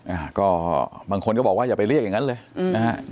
อ่าก็บางคนก็บอกว่าอย่าไปเรียกอย่างนั้นเลยอืมนะฮะ